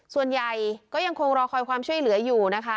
ส่วนใหญ่ก็ยังคงรอคอยความช่วยเหลืออยู่นะคะ